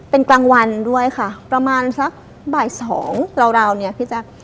เป็นกลางวันด้วยค่ะประมาณสักบ่ายสองราวเนี่ยพี่แจ๊ค